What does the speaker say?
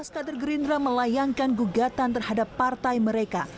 empat belas kader gerindra melayangkan gugatan terhadap partai mereka